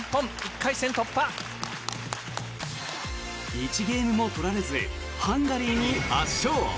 １ゲームも取られずハンガリーに圧勝。